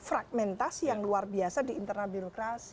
fragmentasi yang luar biasa di internal birokrasi